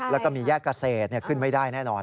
แล้วก็มีแยกเกษตรขึ้นไม่ได้แน่นอน